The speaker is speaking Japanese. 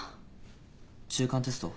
中間テスト？